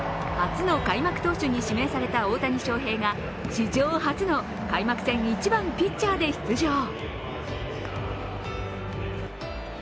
初の開幕投手に指名された大谷翔平が史上初の開幕戦１番・ピッチャーで出場。